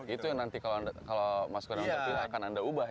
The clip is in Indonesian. itu yang nanti kalau masuk ke dalam terpilih akan anda ubah ya